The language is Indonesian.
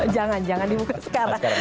jangan jangan dibuka sekarang